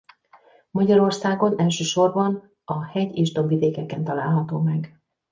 Magyarországon elsősorban a hegy- és dombvidékeken található meg.